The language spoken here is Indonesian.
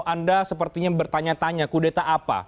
anda sepertinya bertanya tanya kudeta apa